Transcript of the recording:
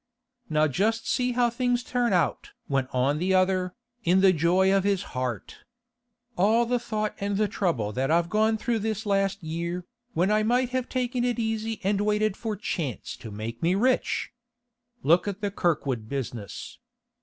'Now just see how things turn out!' went on the other, in the joy of his heart. 'All the thought and the trouble that I've gone through this last year, when I might have taken it easy and waited for chance to make me rich! Look at Kirkwood's business.